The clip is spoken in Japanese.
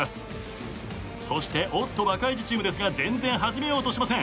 そしておっとバカイジチームですが全然始めようとしません。